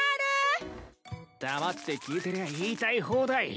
黙って聞いてりゃ言いたい放題。